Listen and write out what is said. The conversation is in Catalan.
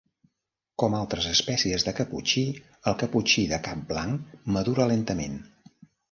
Com altres espècies de caputxí, el caputxí de cap blanc madura lentament.